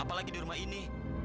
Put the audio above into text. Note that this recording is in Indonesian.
apalagi di rumah ini